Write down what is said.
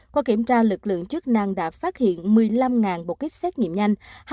qua kiểm tra lực lượng chức năng đã phát hiện một mươi năm bộ kích xét nghiệm nhanh